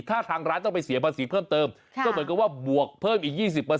ถ้าทางร้านต้องไปเสียภาษีเพิ่มเติมก็เหมือนกับว่าบวกเพิ่มอีก๒๐